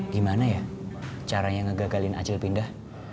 gimana ya caranya ngegagalin acil pindah